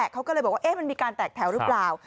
เขาก็เลยบอกว่ามันมีการแตกแถวหรือเปล่า